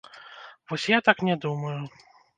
Вось я так не думаю.